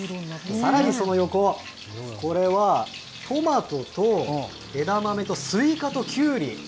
さらにその横、これは、トマトと枝豆とスイカときゅうり。